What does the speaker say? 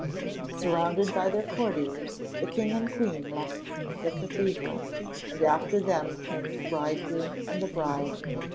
Surrounded by their courtiers, the king and queen left the cathedral, and after them came the bridegroom and the bride.